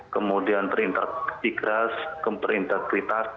kemudian perintah ikhlas kemperintah kritis